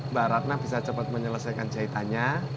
mbak ratna bisa cepat menyelesaikan jahitannya